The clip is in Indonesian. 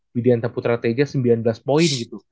widianta putra teja sembilan belas poin gitu